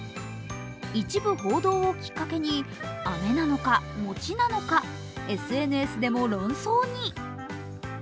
一部報道をきっかけに、あめなのか餅なのか、ＳＮＳでも論争に。